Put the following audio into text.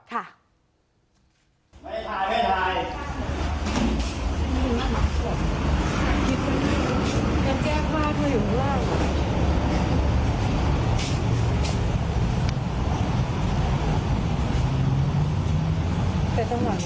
ขายเลยขาย